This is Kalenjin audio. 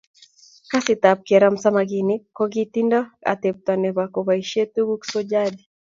Kasit ap keramu samakinik kokitinda atebete nebo kobaishe tuguk so jadi.